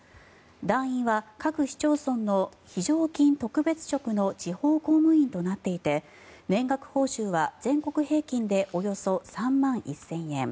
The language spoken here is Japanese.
団員は各市町村の非常勤特別職の地方公務員となっていて年額報酬は全国平均でおよそ３万１０００円。